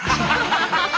ハハハハ！